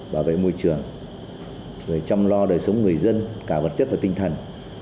bảo vệ môi trường rồi chăm lo đời sống người dân cả vật chất và tinh thần